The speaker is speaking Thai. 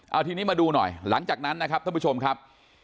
เอาทีนี้มาดูหน่อยหลังจากนั้นนะครับท่านผู้ชมครับ